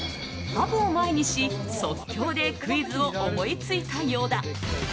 ハブを前にし即興でクイズを思いついたようだ。